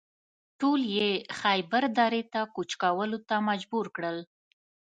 ټول یې خیبر درې ته کوچ کولو ته مجبور کړل.